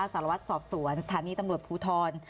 สารวัสดิ์สอบสวนสถานีตนมตรฟูทร